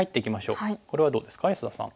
これはどうですか安田さん。